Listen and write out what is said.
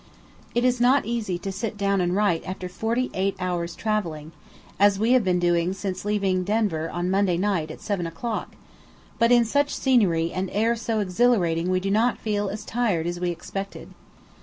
It is not easy to sit down and write after forty eight hours travelling, as we have been doing since leaving Denver on Monday night at 7 o'clock; but in such scenery and air so exhilarating we do not feel as tired as we expected.